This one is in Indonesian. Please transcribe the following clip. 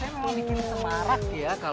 saya memang bikin semarak ya